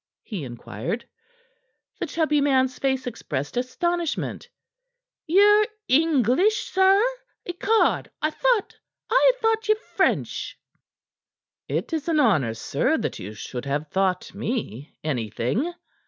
he inquired. The chubby man's face expressed astonishment. "Ye're English, sir! Ecod! I had thought ye French!" "It is an honor, sir, that you should have thought me anything."